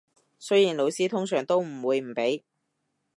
雖然老師通常都唔會唔俾